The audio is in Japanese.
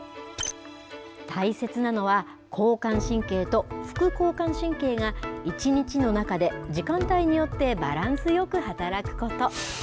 大切なのは、交感神経と副交感神経が１日の中で、時間帯によってバランスよく働くこと。